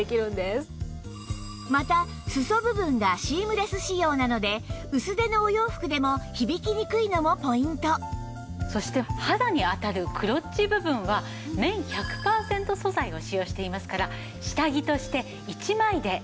また裾部分がシームレス仕様なので薄手のお洋服でも響きにくいのもポイントそして肌に当たるクロッチ部分は綿１００パーセント素材を使用していますから下着として一枚ではいて頂けます